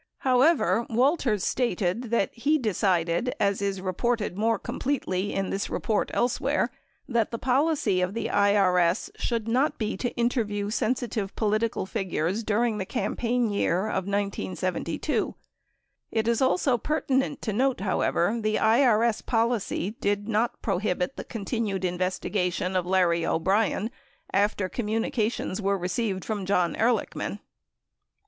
However, Wal ters stated that he decided, as is reported more completely in this report elsewhere, that the policy of the IRS should not be to interview sensi tive political figures during the campaign year of 1972. 76 It is also pertinent to note, however, the IRS policy did not prohibit the con tinued investigation of Larry O'Brien after communications were received from J ohn Ehrlichman.